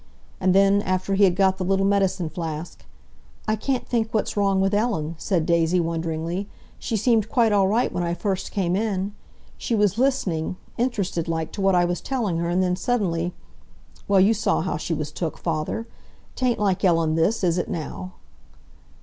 And then, after he had got the little medicine flask, "I can't think what's wrong with Ellen," said Daisy wonderingly. "She seemed quite all right when I first came in. She was listening, interested like, to what I was telling her, and then, suddenly—well, you saw how she was took, father? 'Tain't like Ellen this, is it now?"